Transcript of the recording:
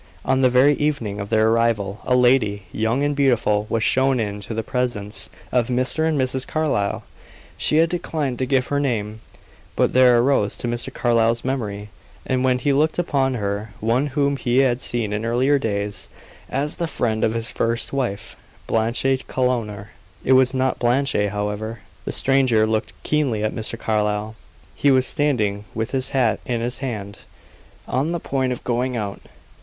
On the very evening of their arrival a lady, young and beautiful, was shown in to the presence of Mr. and Mrs. Carlyle. She had declined to give her name, but there arose to Mr. Carlyle's memory, when he looked upon her, one whom he had seen in earlier days as the friend of his first wife Blanche Challoner. It was not Blanche, however. The stranger looked keenly at Mr. Carlyle. He was standing with his hat in his hand, on the point of going out.